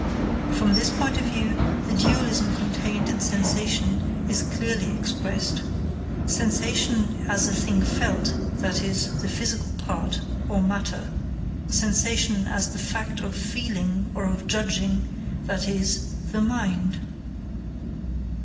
From this point of view, the dualism contained in sensation is clearly expressed. Sensation as a thing felt, that is, the physical part, or matter; sensation as the fact of feeling or of judging, that is, the mind.